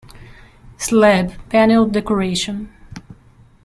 Slab, panelled decoration.